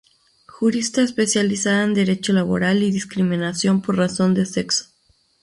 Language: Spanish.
Jurista especializada en derecho laboral y discriminación por razón de sexo.